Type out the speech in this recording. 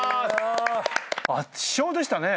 圧勝でしたね。